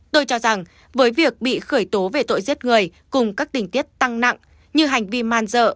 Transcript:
tôi cho rằng với việc bị khởi tố về tội giết người cùng các tình tiết tăng nặng như hành vi man dợ